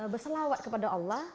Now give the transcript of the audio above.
berselawat kepada allah